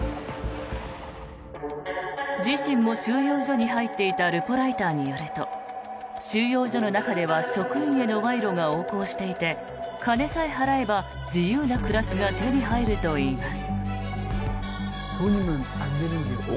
自身も収容所に入っていたルポライターによると収容所の中では職員への賄賂が横行していて金さえ払えば、自由な暮らしが手に入るといいます。